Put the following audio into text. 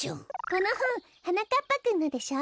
このほんはなかっぱくんのでしょ？